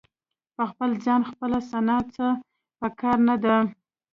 په خپل ځان خپله ثنا څه په کار نه ده.